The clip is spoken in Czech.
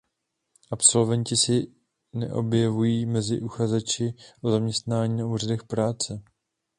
Absolventi se neobjevují mezi uchazeči o zaměstnání na úřadech práce.